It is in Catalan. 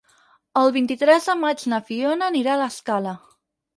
El vint-i-tres de maig na Fiona anirà a l'Escala.